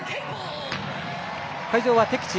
会場は敵地